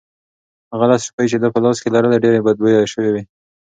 هغه لس روپۍ چې ده په لاس کې لرلې ډېرې بدبویه شوې وې.